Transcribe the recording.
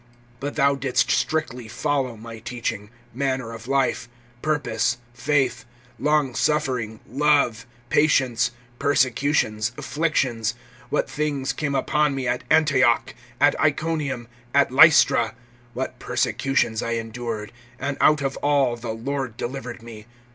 (10)But thou didst strictly follow my teaching, manner of life, purpose, faith, long suffering, love, patience, (11)persecutions, afflictions; what things came upon me at Antioch, at Iconium, at Lystra; what persecutions I endured, and out of all the Lord delivered me.